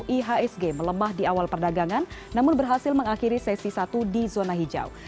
ihsg melemah di awal perdagangan namun berhasil mengakhiri sesi satu di zona hijau